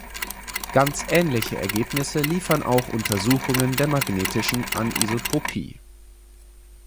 Ganz ähnliche Ergebnisse liefern auch Untersuchungen der magnetischen Anisotropie.